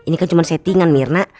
ini kan cuma settingan mirna